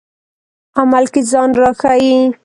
عمل کې ځان راښيي.